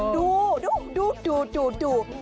ดูดูดูดูดู